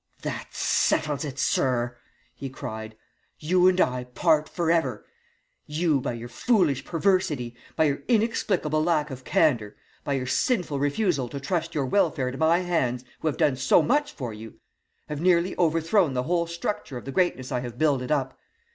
"'That settles it, sir,' he cried. 'You and I part for ever. You, by your foolish perversity, by your inexplicable lack of candour, by your sinful refusal to trust your welfare to my hands, who have done so much for you, have nearly overthrown the whole structure of the greatness I have builded up.